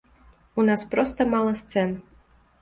У нас проста мала сцэн.